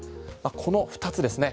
この２つですね。